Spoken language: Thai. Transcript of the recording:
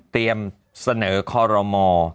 เตรียมเสนอคอรมอล